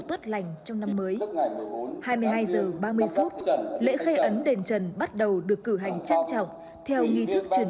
tốt lành trong năm mới hai mươi hai h ba mươi phút lễ khai ấn đền trần bắt đầu được cử hành trang trọng theo nghi thức truyền